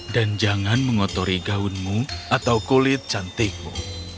dan jangan mengotori gaunmu atau kulit cantikmu